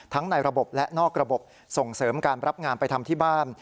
ในระบบและนอกระบบส่งเสริมการรับงานไปทำที่บ้าน